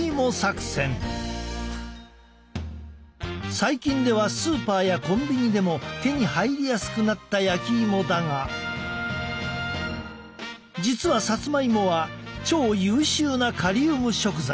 最近ではスーパーやコンビニでも手に入りやすくなった焼きいもだが実はさつまいもは超優秀なカリウム食材。